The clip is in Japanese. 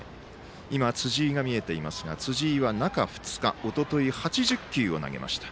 辻井が見えていますが辻井は中２日おととい８０球を投げました。